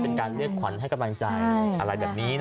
เป็นการเรียกขวัญให้กำลังใจอะไรแบบนี้นะ